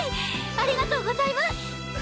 ありがとうございます！